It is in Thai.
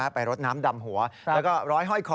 ไปรดน้ำดำหัวแล้วก็ร้อยห้อยคอ